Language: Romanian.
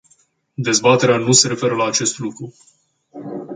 Dezbaterea nu se referă la acest lucru.